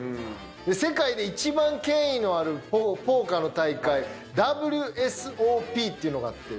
世界で一番権威のあるポーカーの大会ＷＳＯＰっていうのがあって。